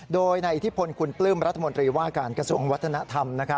โดยในอิทธิพลคุณปลื้มรัฐมนตรีว่าการกระทรวงวัฒนธรรม